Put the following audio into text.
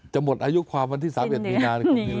หมดอายุความวันที่๓๑มีนา